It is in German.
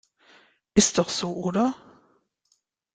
Ist doch so, oder?